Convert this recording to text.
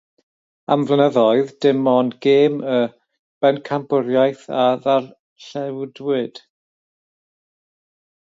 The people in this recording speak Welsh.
Am flynyddoedd, dim ond gêm y bencampwriaeth a ddarlledwyd.